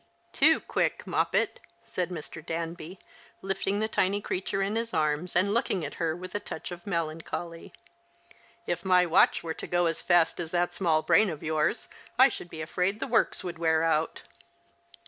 " Too quick. Moppet," said Mr. Danby, lifting the tiny creature in his arms, and looking at her with a touch of melancholy. "If my watch were to go as fast as that small brain of yours I should be afraid the works would wear out."